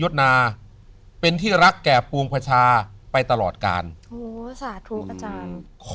นาเป็นที่รักแก่ปวงประชาไปตลอดกาลโหสาธุอาจารย์ขอ